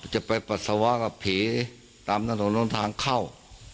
จะไปปัสสาวะกับผีตามถนนตรงทางเข้า